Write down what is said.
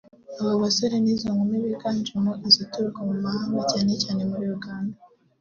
Abo basore n’izo nkumi ziganjemo izituruka mu mahanga cyane cyane muri Uganda